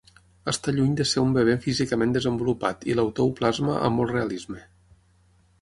Està lluny de ser un bebè, físicament desenvolupat i l'autor ho plasma amb molt realisme.